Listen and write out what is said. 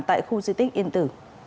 tại khu di tích yên tử